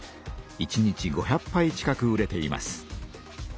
１日５００ぱい近く売れています。